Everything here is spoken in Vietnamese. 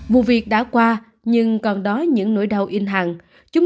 vụ việc đã qua nhưng còn đó những nỗi đau in hàng